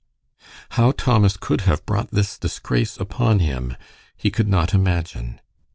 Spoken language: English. How Thomas could have brought this disgrace upon him, he could not imagine.